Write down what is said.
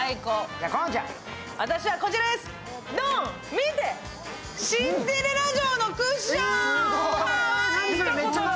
見て、シンデレラ城のクッション、かわいい！